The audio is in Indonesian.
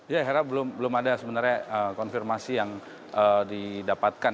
ya hera belum ada sebenarnya konfirmasi yang didapatkan